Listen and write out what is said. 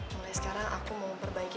mulai sekarang aku mau memperbaiki